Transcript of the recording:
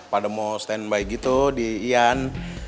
pada mau stand by gitu di iyan